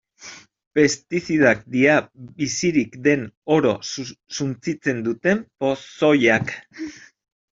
Pestizidak dira bizirik den oro suntsitzen duten pozoiak.